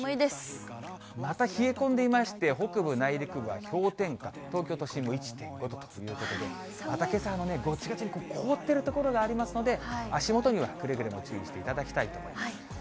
また冷え込んでいまして、北部、内陸部は氷点下、東京都心も１．５度ということで、またけさもがちがちに凍っている所がありますので、足元にはくれぐれも注意していただきたいと思います。